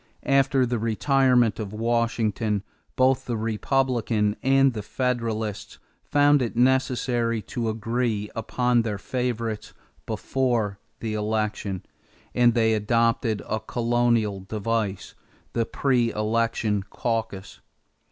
After the retirement of Washington, both the Republicans and the Federalists found it necessary to agree upon their favorites before the election, and they adopted a colonial device the pre election caucus.